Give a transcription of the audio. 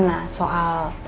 dan sangat mencintai rena